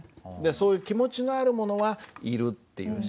そういう気持ちがあるものは「いる」って言うし。